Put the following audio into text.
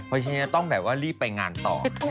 เพราะฉะนั้นต้องแบบว่ารีบไปงานต่อ